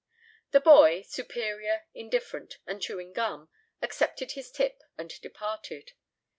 The boy, superior, indifferent, and chewing gum, accepted his tip and departed.